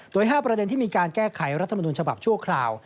โดย๕ประเด็นที่มีการแก้ไขรัฐมนุนฉบับชั่วคราว